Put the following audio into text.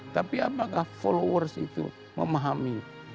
tapi apakah followers itu memahami